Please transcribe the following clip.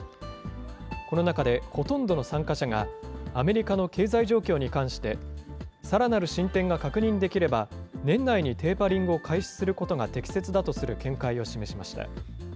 この中でほとんどの参加者が、アメリカの経済状況に関して、さらなる進展が確認できれば、年内にテーパリングを開始することが適切だとする見解を示しました。